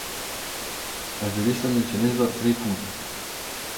Aș dori să menționez doar trei puncte.